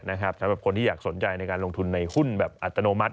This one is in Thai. สำหรับคนที่อยากสนใจในการลงทุนในหุ้นแบบอัตโนมัติ